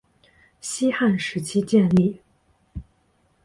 西汉时期建立。